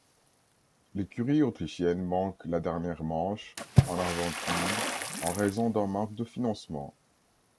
L'écurie Autrichienne manque la dernière manche, en Argentine, en raison d'un manque de financement.